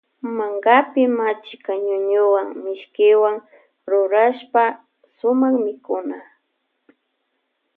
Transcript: Akapi machka ñuñuwa mishkiwan rurashpa suma mikuna.